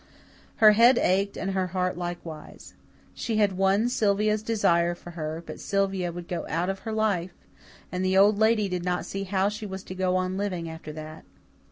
Her head ached and her heart likewise. She had won Sylvia's desire for her; but Sylvia would go out of her life, and the Old Lady did not see how she was to go on living after that.